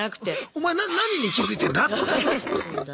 「お前何に気付いてんだ？」